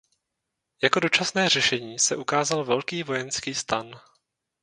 Jako dočasné řešení se ukázal velký vojenský stan.